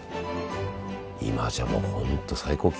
今じゃもう本当最高級。